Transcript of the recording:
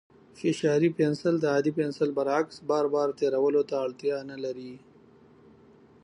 فشاري پنسل د عادي پنسل برعکس، بار بار تېرولو ته اړتیا نه لري.